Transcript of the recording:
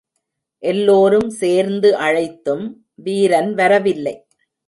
எல்லோரும் சேர்ந்து அழைத்தும் வீரன் வரவில்லை.